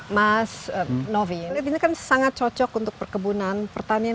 mas novi lihat ini kan sangat cocok untuk perkebunan pertanian